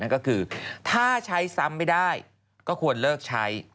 ก็คือถ้าใช้ซ้ำไม่ได้ก็ควรเลิกใช้